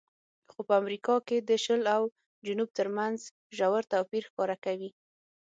خو په امریکا کې د شل او جنوب ترمنځ ژور توپیر ښکاره کوي.